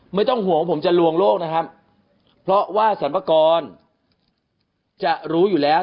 ไม่ต้องห่วงว่าผมจะลวงโลกนะครับเพราะว่าสรรพากรจะรู้อยู่แล้ว